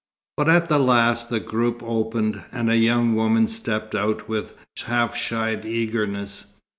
But at last the group opened, and a young woman stepped out with half shy eagerness.